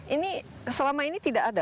ini selama ini tidak ada